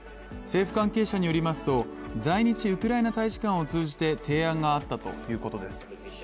政府関係者によりますと在日ウクライナ大使館を通じて提案があったということです。